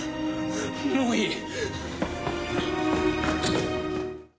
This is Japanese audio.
もういい。